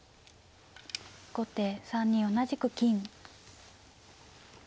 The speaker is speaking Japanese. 後手３二同じく金。